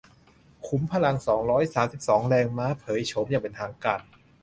ขุมพลัง สองร้อยสามสิบสอง แรงม้า เผยโฉมอย่างเป็นทางการ